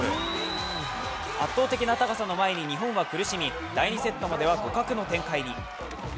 圧倒的な高さの前に日本は苦しみ、第２セットまでは互角の展開に。